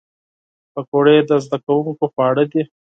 پکورې د زدهکوونکو خواړه دي